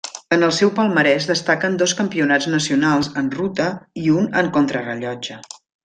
En el seu palmarès destaquen dos Campionats nacionals en ruta i un en contrarellotge.